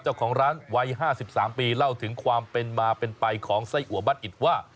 เจ้าของร้านวัย๕๓ปีเล่าถึงความเป็นมาเป็นไปของไส้อัวบัตรอิดว่า